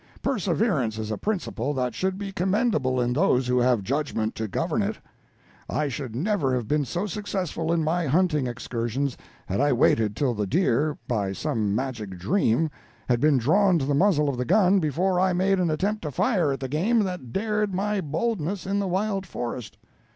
Perseverance is a principle that should be commendable in those who have judgment to govern it. I should never have been so successful in my hunting excursions had I waited till the deer, by some magic dream, had been drawn to the muzzle of the gun before I made an attempt to fire at the game that dared my boldness in the wild forest.